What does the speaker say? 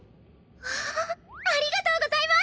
わあありがとうございます！